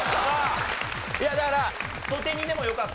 いやだからどて煮でもよかったのよ。